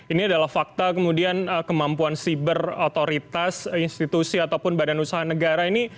ini adalah fakta kemudian kemampuan siber otoritas institusi ataupun badan usaha negara ini